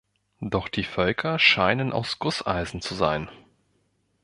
Doch die Völker scheinen aus Gusseisen zu sein.